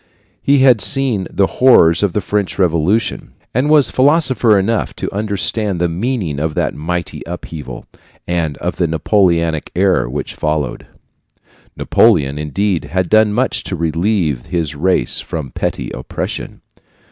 He had seen the horrors of the French Revolution, and was philosopher enough to understand the meaning of that mighty upheaval, and of the Napoleonic era which followed. Napoleon, indeed, had done much to relieve his race from petty oppression.